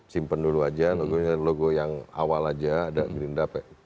simpen dulu aja logonya logo yang awal aja ada gerindra